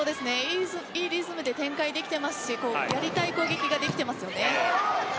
いいリズムで展開できていて取りたい攻撃ができています。